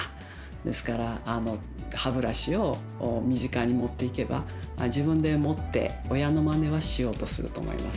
ですから歯ブラシを身近に持っていけば自分で持って親のまねはしようとすると思います。